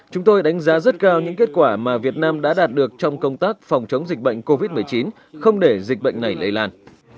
chúng tôi đánh giá rất cao những kết quả mà việt nam đã đạt được trong công tác phòng chống dịch bệnh covid một mươi chín không để dịch bệnh này lây lan